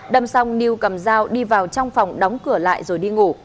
đâm xong lưu cầm dao đi vào trong phòng đóng cửa lại rồi đi ngủ